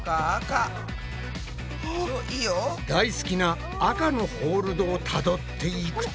大好きな赤のホールドをたどっていくと。